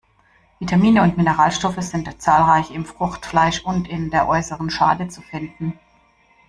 Vitamine und Mineralstoffe sind zahlreich im Fruchtfleisch und in der äußeren Schale zu finden.